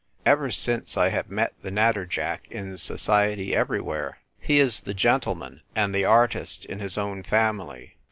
Ever since I have met the natterjack in society everywhere. He is the gentleman and the artist in his own family.